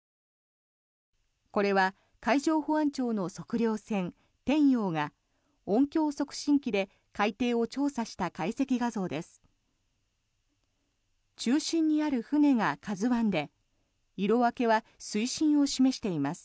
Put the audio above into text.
これは海上保安庁の測量船「天洋」が音響測深機で海底を調査した解析画像です。